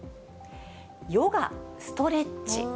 ヨガ・ストレッチ。